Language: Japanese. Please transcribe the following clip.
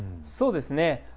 そうですね。